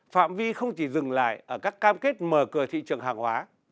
phạm vi không chỉ dừng lại ở các cam kết mở cửa thị trường hàng hóa